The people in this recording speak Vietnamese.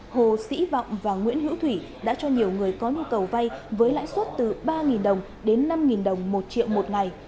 hồ sĩ vọng và nguyễn hữu thủy đã cho nhiều người có nhu cầu vay với lãi suất từ ba đồng đến năm đồng một triệu một ngày